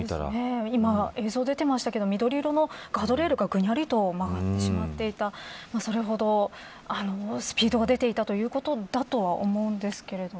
今、映像が出ていましたけど緑色のガードレールがぐにゃりと曲がってしまっていたそれほどスピードが出ていたということだとは思うんですけど。